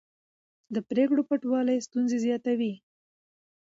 د پرېکړو پټوالی ستونزې زیاتوي